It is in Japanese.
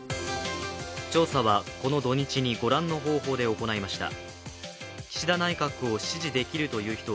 調査はこの土日にご覧の方法で行いました。